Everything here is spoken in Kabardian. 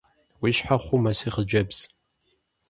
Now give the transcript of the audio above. Уи щхьэ хъумэ, си хъыджэбз.